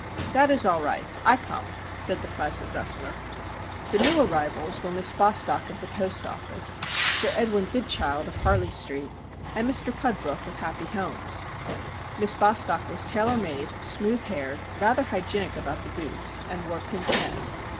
"That is all right. I kom," said the placid wrestler. The new arrivals were Miss Bostock of the post office, Sir Edwin Goodchild of Harley Street, and Mr Pudbrook of Happy Homes. Miss Bostock was tailor made, smooth haired, rather hygienic about the boots, and wore pince nez.